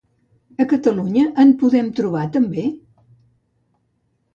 A Catalunya en podem trobar també?